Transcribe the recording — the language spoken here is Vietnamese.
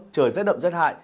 trời rất đậm rất hại